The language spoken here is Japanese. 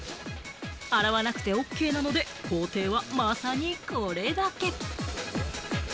洗わなくてＯＫなので、工程はまさにこれだけ。